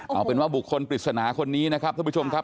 เอาเป็นว่าบุคคลปริศนาคนนี้นะครับท่านผู้ชมครับ